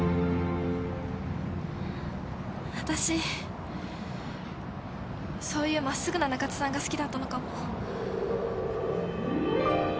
わたしそういう真っすぐな中津さんが好きだったのかも。